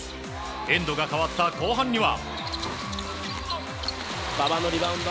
エンドが変わった後半には。